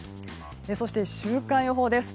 そして週間予報です。